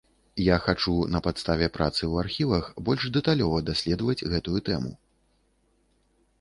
Я хачу на падставе працы ў архівах больш дэталёва даследаваць гэтую тэму.